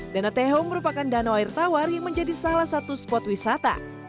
dana teho merupakan danau air tawar yang menjadi salah satu spot wisata